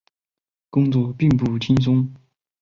工作并不轻松